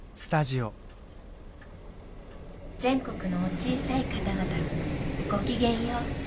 全国のお小さい方々ごきげんよう。